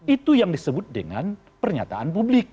itu yang disebut dengan pernyataan publik